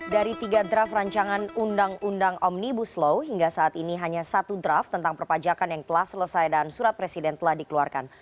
dari tiga draft rancangan undang undang omnibus law hingga saat ini hanya satu draft tentang perpajakan yang telah selesai dan surat presiden telah dikeluarkan